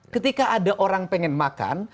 ketika ada orang pengen makan